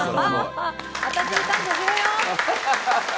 私に感謝しろよ！